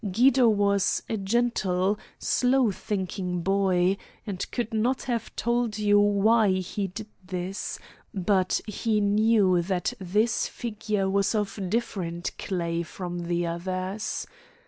Guido was a gentle, slow thinking boy, and could not have told you why he did this, but he knew that this figure was of different clay from the others.